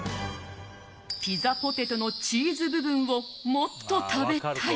ピザポテトのチーズ部分をもっと食べたい。